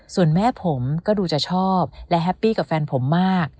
ส่วนแม่ผมก็ดูจะชอบและแฮปปี้กับแฟนผมมาก